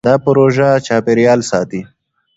دا پروژه چاپېریال ساتي.